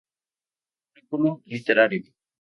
Curriculum literario